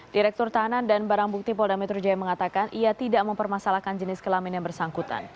direktur tahanan dan barang bukti polda metro jaya mengatakan ia tidak mempermasalahkan jenis kelamin yang bersangkutan